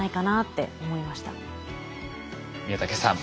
宮竹さん